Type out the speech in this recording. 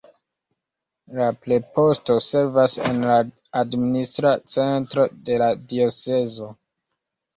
La preposto servas en la administra centro de la diocezo.